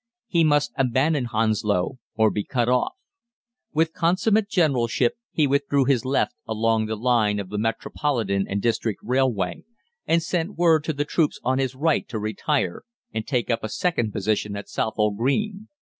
He must abandon Hounslow, or be cut off. With consummate generalship he withdrew his left along the line of the Metropolitan and District Railway, and sent word to the troops on his right to retire and take up a second position at Southall Green.